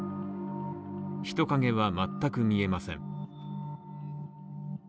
人影は全く見えません。